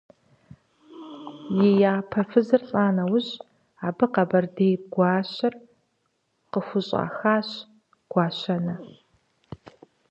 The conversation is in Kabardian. И япэ фызыр лӀа нэужь, абы къэбэрдей гуащэр къыхущӀахащ – Гуащэнэ.